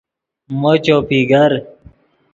مو چوپی گر